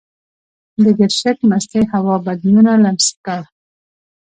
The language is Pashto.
د ګرشک مستې هوا بدنونه لمس کړل.